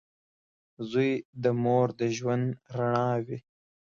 • زوی د مور د ژوند رڼا وي.